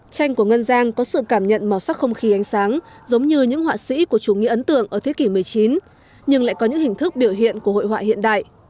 tranh của ngân giang có sự cảm nhận màu sắc không khí ánh sáng giống như những họa sĩ của chủ nghĩa ấn tượng ở thế kỷ một mươi chín nhưng lại có những hình thức biểu hiện của hội họa hiện đại